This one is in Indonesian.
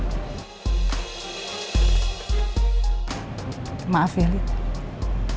dan buat aku aku yakin kalau rizky itu bisa ngerti bisa paham sama keputusan aku